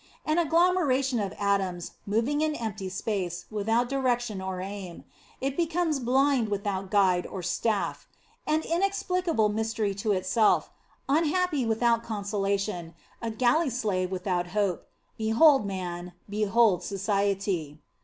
An agglomeration of atoms, moving in empty space, without direction or aim. It becomes blind without guide or staff; an inexplicable mystery to itself; unhappy without consolation; a galley slave without hope: behold man, behold society.